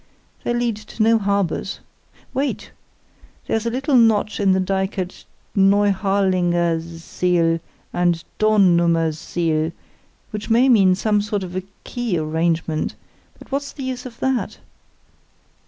They lead to no harbours. Wait! There's a little notch in the dyke at Neuharlingersiel and Dornumersiel, which may mean some sort of a quay arrangement, but what's the use of that?"